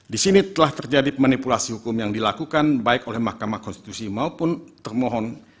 di sini telah terjadi manipulasi hukum yang dilakukan baik oleh mahkamah konstitusi maupun termohon